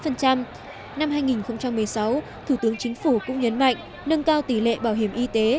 năm hai nghìn một mươi sáu thủ tướng chính phủ cũng nhấn mạnh nâng cao tỷ lệ bảo hiểm y tế